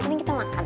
mending kita makan